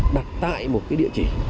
đặt tại một cái địa chỉ